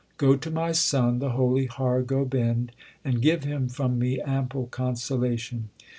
Go to my son the holy Har Gobind, and give him from me ample consolation.